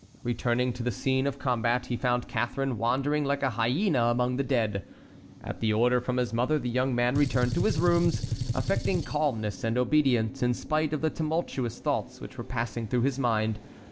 Returning to the scene of combat, he found Catharine wandering like a hyena among the dead. At the order from his mother the young man returned to his rooms, affecting calmness and obedience, in spite of the tumultuous thoughts which were passing through his mind.